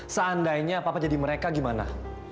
seandainya papa jadi mereka gimana